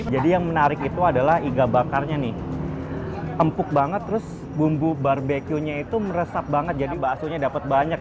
jadi yang menarik itu adalah iga bakarnya nih empuk banget terus bumbu barbequenya itu meresap banget jadi bakso nya dapat banyak